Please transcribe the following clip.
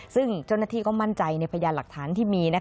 ซึ่งเจ้าหน้าที่ก็มั่นใจในพยานหลักฐานที่มี